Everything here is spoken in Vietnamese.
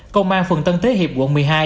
công an phần tân thế hiệp quận một mươi hai